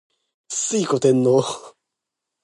推古天皇